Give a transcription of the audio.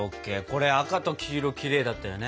これ赤と黄色きれいだったよね。